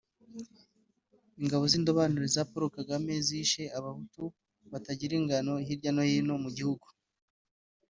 Ingabo z’indobanure za Paul Kagame zishe abahutu batagira ingano hirya no hino mu gihugu